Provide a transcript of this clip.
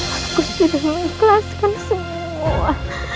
aku sudah mengikhlaskan semua